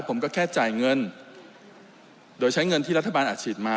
ผมก็แค่จ่ายเงินโดยใช้เงินที่รัฐบาลอาจฉีดมา